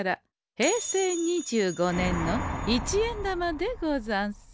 平成２５年の一円玉でござんす。